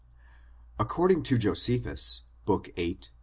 According to Josephus, book viii, p.